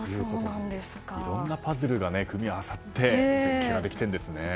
いろんなパズルが組み合わさり絶景ができているんですね。